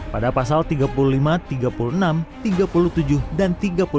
pada pasal tiga puluh lima tiga puluh enam tiga puluh tujuh dan tiga puluh delapan